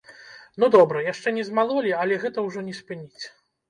Ну добра, яшчэ не змалолі, але гэта ўжо не спыніць.